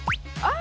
あ！